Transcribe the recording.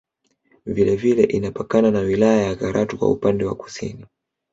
Vile vile inapakana na wilaya ya Karatu kwa upande wa Kusini